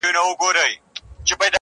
o اشتها تر غاښ لاندي ده.